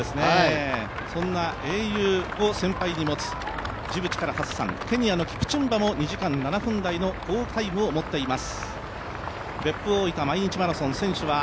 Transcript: そんな英雄を先輩に持つジブチからハッサン、ケニアのキプチュンバも２時間７分台の好タイムを持っています。